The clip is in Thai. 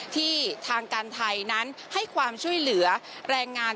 ที่ทางการไทยนั้นให้ความช่วยเหลือแรงงาน